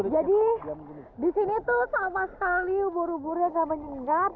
jadi di sini itu sama sekali ubur uburnya tidak menyengat